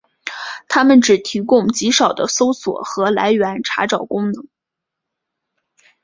它们只提供极少的搜索和来源查找功能。